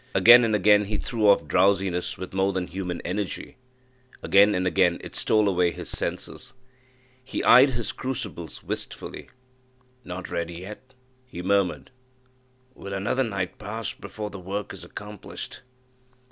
Again and again he threw off drowsiness with more than human energy; again and again it stole away his senses. He eyed his crucibles wistfully. "Not ready yet," he murmured; "will another night pass before the work is accomplished?